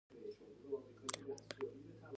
په دې ورکړې د خدای شکرانې په ځای کوي.